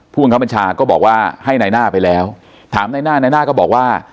ผู้มันคำประชาก็บอกว่าให้ในหน้าไปแล้วถามในหน้าในหน้าก็บอกว่า